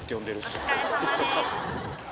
お疲れさまです。